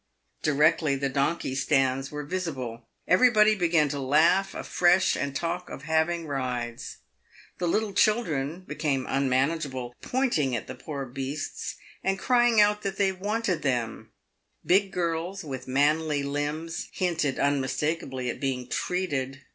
Directly the donkey stands were visible, everybody began to laugh afresh, and talk of having rides. The little children became un manageable, pointing at the poor beasts, and crying out that they "wanted them;" big girls, with manly limbs, hinted unmistakably at being treated.